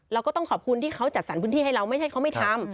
เราก็ต้องขอบคุณที่เขาจัดสรรพื้นที่ให้เราไม่ใช่เขาไม่ทำ